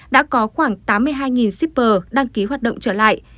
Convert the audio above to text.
đã có khoảng tám mươi hai shipper đăng ký hoạt động trở lại